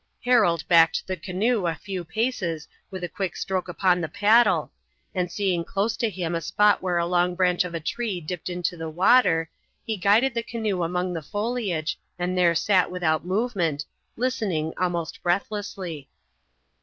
Harold backed the canoe a few paces with a quick stroke upon the paddle, and seeing close to him a spot where a long branch of a tree dipped into the water, he guided the canoe among the foliage and there sat without movement, listening almost breathlessly.